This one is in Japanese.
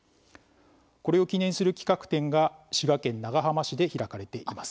これを記念する企画展が滋賀県長浜市で開かれています。